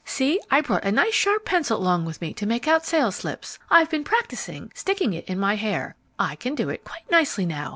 "See, I brought a nice sharp pencil along with me to make out sales slips. I've been practicing sticking it in my hair. I can do it quite nicely now.